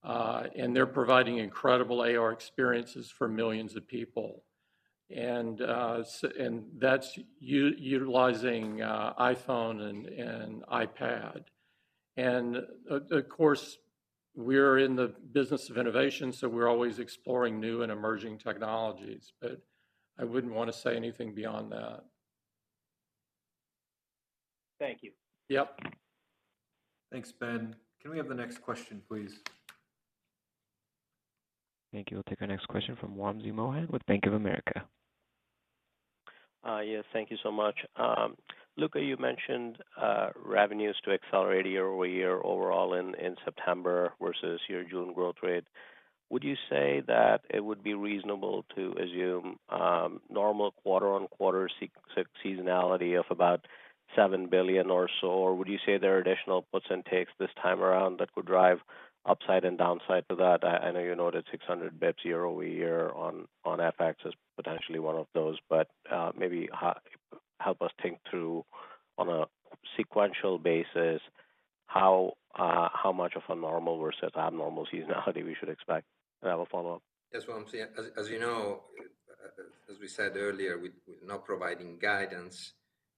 Speaker 3: and they're providing incredible AR experiences for millions of people. That's utilizing iPhone and iPad. Of course, we're in the business of innovation, so we're always exploring new and emerging technologies, but I wouldn't wanna say anything beyond that.
Speaker 10: Thank you.
Speaker 3: Yep.
Speaker 2: Thanks, Ben. Can we have the next question, please?
Speaker 1: Thank you. We'll take our next question from Wamsi Mohan with Bank of America.
Speaker 11: Yes. Thank you so much. Luca, you mentioned revenues to accelerate year-over-year overall in September versus your June growth rate. Would you say that it would be reasonable to assume normal quarter-on-quarter seasonality of about $7 billion or so? Or would you say there are additional puts and takes this time around that could drive upside and downside to that? I know you noted 600 basis points year-over-year on FX as potentially one of those, but maybe help us think through on a sequential basis how much of a normal versus abnormal seasonality we should expect. I have a follow-up.
Speaker 4: Yes, Wamsi. As you know, as we said earlier, we're not providing guidance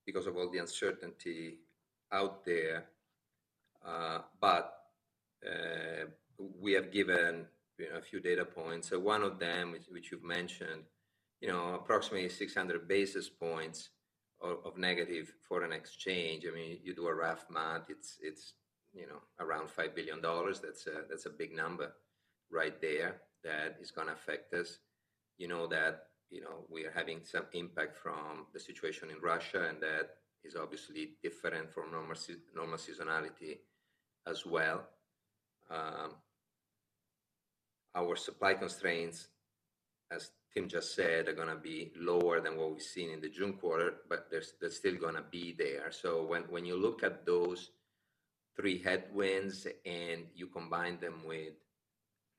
Speaker 4: because of all the uncertainty out there. We have given a few data points. One of them, which you've mentioned, approximately 600 basis points of negative foreign exchange. I mean, you do a rough math, it's around $5 billion. That's a big number right there that is gonna affect us. You know that we are having some impact from the situation in Russia, and that is obviously different from normal seasonality as well. Our supply constraints, as Tim just said, are gonna be lower than what we've seen in the June quarter, but they're still gonna be there. When you look at those three headwinds, and you combine them with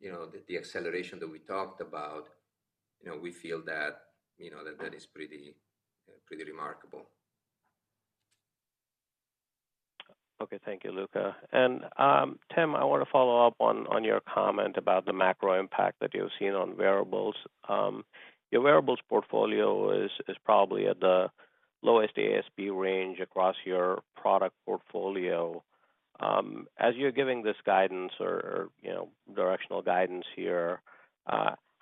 Speaker 4: the acceleration that we talked about, we feel that is pretty remarkable.
Speaker 11: Okay. Thank you, Luca. Tim, I wanna follow up on your comment about the macro impact that you've seen on Wearables. Your Wearables portfolio is probably at the lowest ASP range across your product portfolio. As you're giving this guidance or directional guidance here,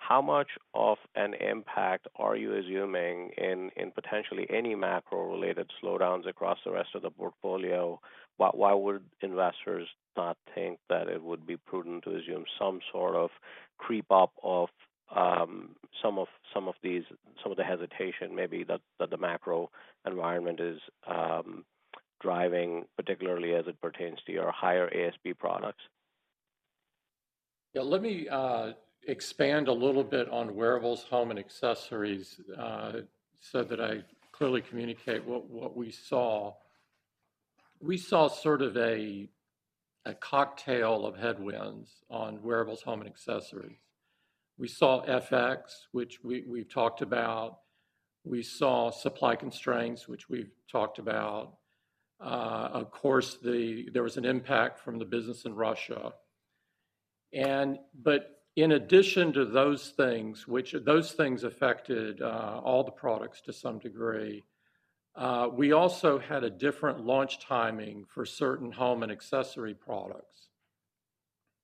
Speaker 11: how much of an impact are you assuming in potentially any macro-related slowdowns across the rest of the portfolio? Why would investors not think that it would be prudent to assume some sort of creep up of some of the hesitation maybe that the macro environment is driving, particularly as it pertains to your higher ASP products?
Speaker 3: Yeah. Let me expand a little bit on Wearables, Home, and Accessories, so that I clearly communicate what we saw. We saw sort of a cocktail of headwinds on Wearables, Home, and Accessories. We saw FX, which we've talked about. We saw supply constraints, which we've talked about. Of course, there was an impact from the business in Russia. In addition to those things, which affected all the products to some degree, we also had a different launch timing for certain Home and Accessory products.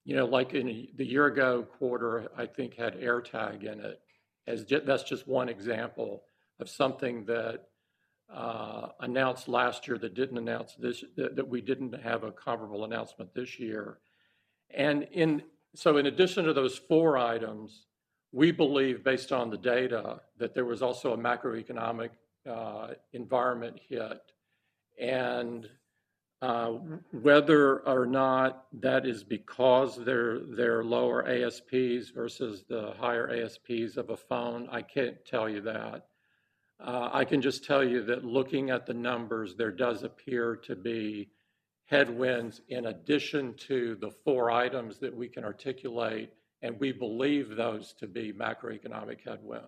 Speaker 3: You know, like in the year-ago quarter, I think, had AirTag in it. That's just one example of something that announced last year that we didn't have a comparable announcement this year. In addition to those four items, we believe based on the data, that there was also a macroeconomic environment hit. Whether or not that is because they're lower ASPs versus the higher ASPs of a phone, I can't tell you that. I can just tell you that looking at the numbers, there does appear to be headwinds in addition to the four items that we can articulate, and we believe those to be macroeconomic headwinds.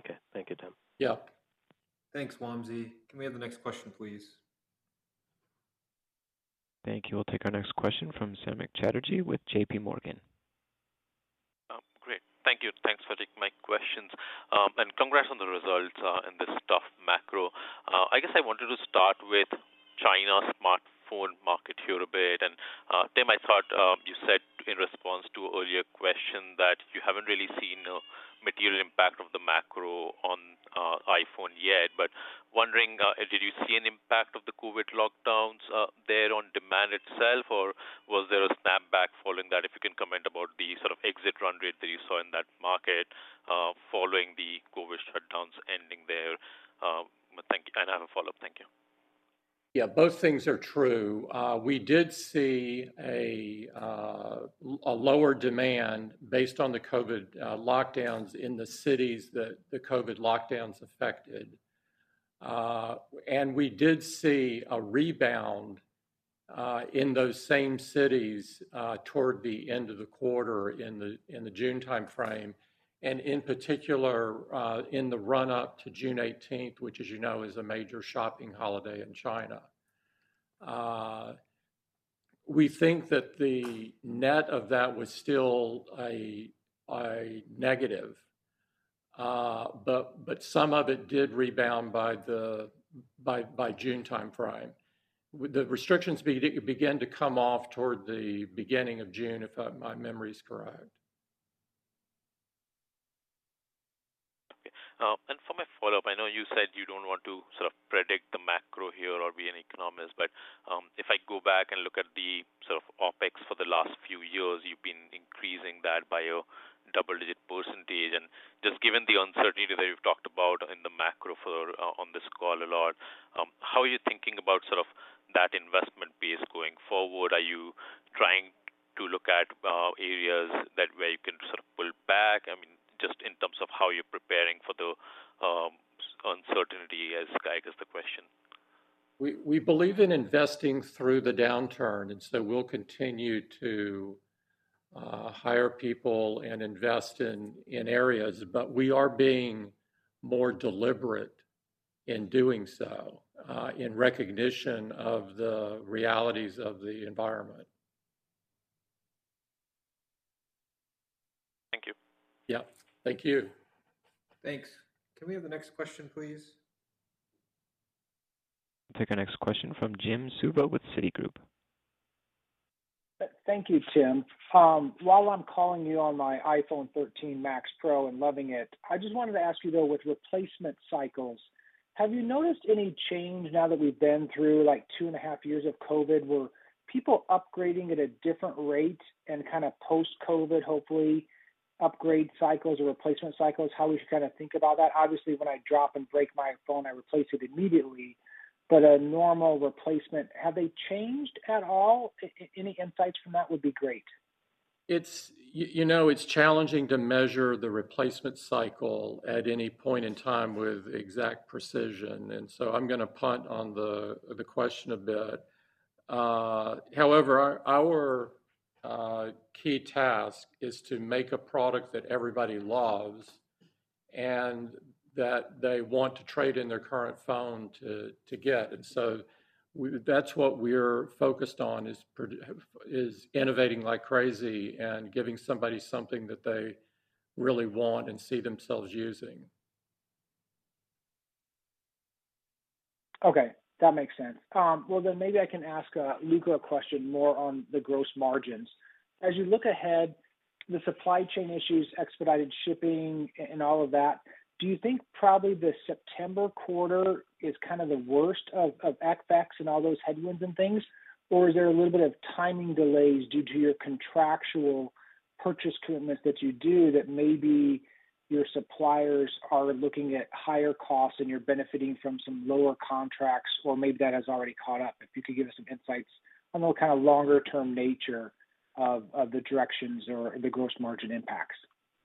Speaker 11: Okay. Thank you, Tim.
Speaker 3: Yeah.
Speaker 2: Thanks, Wamsi. Can we have the next question, please?
Speaker 1: Thank you. We'll take our next question from Samik Chatterjee with JPMorgan.
Speaker 12: Great. Thank you. Thanks for taking my questions. Congrats on the results in this tough macro. I guess I wanted to start with China smartphone market here a bit. Tim, I thought you said in response to earlier question that you haven't really seen a material impact of the macro on iPhone yet. Wondering, did you see an impact of the COVID lockdowns there on demand itself, or was there a snapback following that? If you can comment about the sort of exit run rate that you saw in that market following the COVID shutdowns ending there. Thank you, and I have a follow-up. Thank you.
Speaker 3: Yeah, both things are true. We did see a lower demand based on the COVID lockdowns in the cities that the COVID lockdowns affected. We did see a rebound in those same cities toward the end of the quarter in the June timeframe, and in particular, in the run-up to June eighteenth, which, as you know, is a major shopping holiday in China. We think that the net of that was still a negative. But some of it did rebound by the June timeframe. The restrictions began to come off toward the beginning of June, if my memory is correct.
Speaker 12: Okay. For my follow-up, I know you said you don't want to sort of predict the macro here or be an economist, but if I go back and look at the sort of OpEx for the last few years, you've been increasing that by a double-digit percentage. Just given the uncertainty that you've talked about in the macro on this call a lot, how are you thinking about sort of that investment piece going forward? Are you trying to look at areas where you can sort of pull back? I mean, just in terms of how you're preparing for the uncertainty, I guess, is the question.
Speaker 3: We believe in investing through the downturn, and so we'll continue to hire people and invest in areas. But we are being more deliberate in doing so, in recognition of the realities of the environment.
Speaker 12: Thank you.
Speaker 3: Yeah. Thank you.
Speaker 2: Thanks. Can we have the next question, please?
Speaker 1: Take our next question from Jim Suva with Citigroup.
Speaker 13: Thank you, Tim. While I'm calling you on my iPhone 13 Pro Max and loving it, I just wanted to ask you, though, with replacement cycles, have you noticed any change now that we've been through, like, two and a half years of COVID? Were people upgrading at a different rate, and kinda post-COVID, hopefully, upgrade cycles or replacement cycles? How we should kinda think about that? Obviously, when I drop and break my phone, I replace it immediately, but a normal replacement, have they changed at all? Any insights from that would be great.
Speaker 3: It's challenging to measure the replacement cycle at any point in time with exact precision, and so I'm gonna punt on the question a bit. However, our key task is to make a product that everybody loves and that they want to trade in their current phone to get. That's what we're focused on is innovating like crazy and giving somebody something that they really want and see themselves using.
Speaker 13: Okay. That makes sense. Well, maybe I can ask Luca a question more on the gross margins. As you look ahead, the supply chain issues, expedited shipping and all of that, do you think probably the September quarter is kind of the worst of FX and all those headwinds and things? Or is there a little bit of timing delays due to your contractual purchase commitments that you do, that maybe your suppliers are looking at higher costs, and you're benefiting from some lower contracts, or maybe that has already caught up? If you could give us some insights on the kind of longer-term nature of the directions, or the gross margin impacts.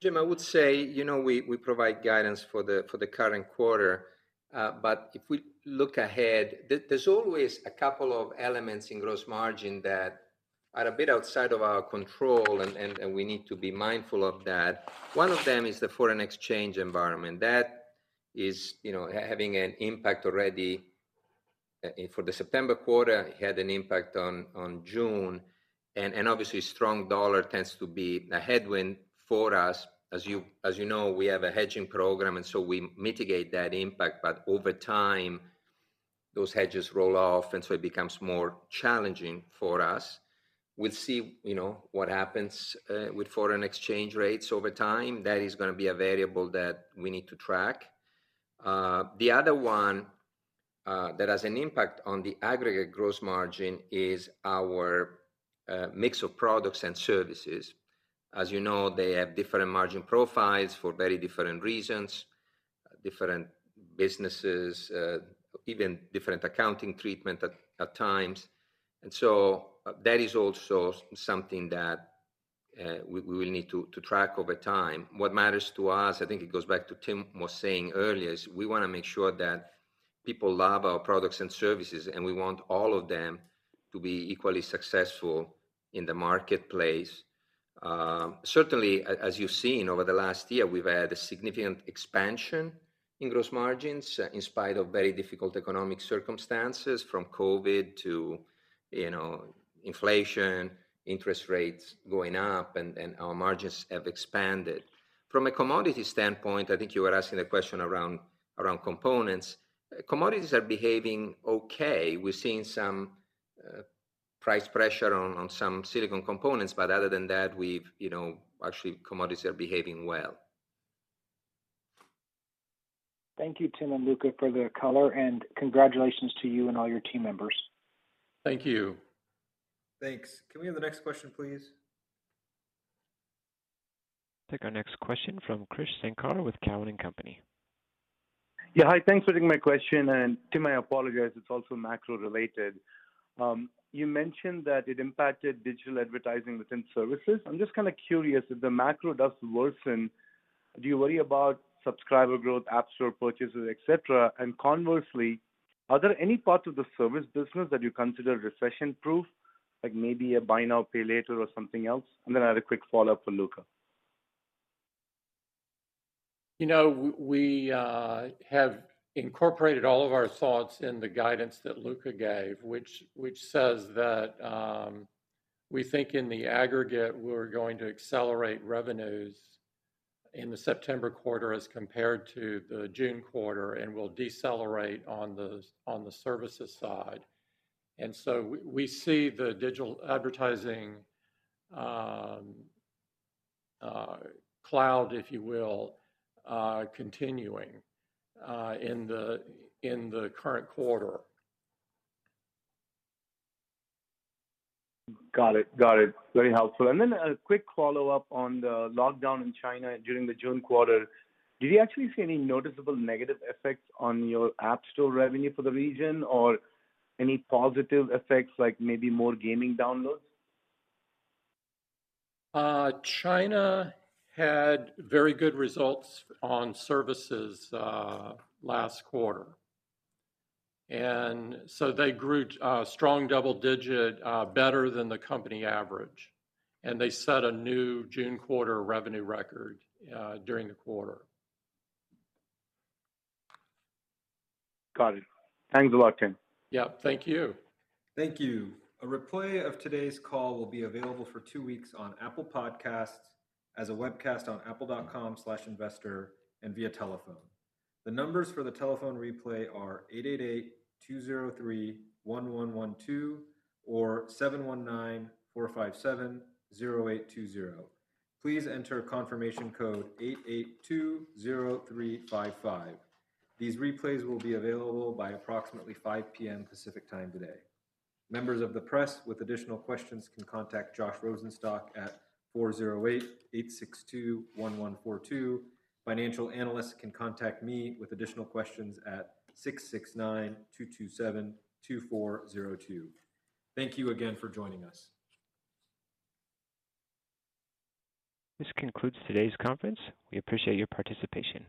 Speaker 4: Jim, I would say, we provide guidance for the current quarter. If we look ahead, there's always a couple of elements in gross margin that are a bit outside of our control, and we need to be mindful of that. One of them is the foreign exchange environment. That is having an impact already for the September quarter, had an impact on June. Obviously, strong dollar tends to be a headwind for us. As you know, we have a hedging program, and so we mitigate that impact. Over time, those hedges roll off, and so it becomes more challenging for us. We'll see what happens with foreign exchange rates over time. That is gonna be a variable that we need to track. The other one that has an impact on the aggregate gross margin is our mix of products and services. As you know, they have different margin profiles for very different reasons. Different businesses, even different accounting treatment at times. That is also something that we will need to track over time. What matters to us, I think it goes back to Tim was saying earlier is we wanna make sure that people love our products and services, and we want all of them to be equally successful in the marketplace. Certainly, as you've seen over the last year, we've had a significant expansion in gross margins in spite of very difficult economic circumstances, from COVID to inflation, interest rates going up, and our margins have expanded. From a commodity standpoint, I think you were asking a question around components. Commodities are behaving okay. We're seeing some price pressure on some silicon components, but other than that actually commodities are behaving well.
Speaker 13: Thank you, Tim and Luca for the color, and congratulations to you and all your team members.
Speaker 3: Thank you.
Speaker 2: Thanks. Can we have the next question, please?
Speaker 1: Take our next question from Krish Sankar with Cowen and Company.
Speaker 14: Yeah. Hi, thanks for taking my question. Tim, I apologize, it's also macro-related. You mentioned that it impacted digital advertising within services. I'm just kinda curious, if the macro does worsen, do you worry about subscriber growth, App Store purchases, et cetera? Conversely, are there any parts of the service business that you consider recession-proof, like maybe a Buy Now, Pay Later, or something else? Then I had a quick follow-up for Luca.
Speaker 3: We have incorporated all of our thoughts in the guidance that Luca gave, which says that we think in the aggregate, we're going to accelerate revenues in the September quarter as compared to the June quarter, and we'll decelerate on the services side. We see the digital advertising cloud, if you will, continuing in the current quarter.
Speaker 14: Got it. Very helpful. A quick follow-up on the lockdown in China during the June quarter. Did you actually see any noticeable negative effects on your App Store revenue for the region, or any positive effects, like maybe more gaming downloads?
Speaker 3: China had very good results on services last quarter. They grew strong double digit, better than the company average, and they set a new June quarter revenue record during the quarter.
Speaker 14: Got it. Thanks a lot, Tim.
Speaker 3: Yeah, thank you.
Speaker 2: Thank you. A replay of today's call will be available for two weeks on Apple Podcasts, as a webcast on apple.com/investor, and via telephone. The numbers for the telephone replay are 888-203-1112 or 719-457-0820. Please enter confirmation code 8820355. These replays will be available by approximately 5 P.M. Pacific Time today. Members of the press with additional questions can contact Josh Rosenstock at 408-862-1142. Financial analysts can contact me with additional questions at 669-227-2402. Thank you again for joining us.
Speaker 1: This concludes today's conference. We appreciate your participation.